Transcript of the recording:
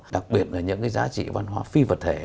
đặc biệt là những cái giá trị văn hóa phi vật thể